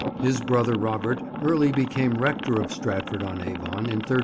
His brother Robert early became rector of Stratford on Avon, in 1319.